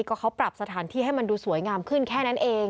ก็เขาปรับสถานที่ให้มันดูสวยงามขึ้นแค่นั้นเอง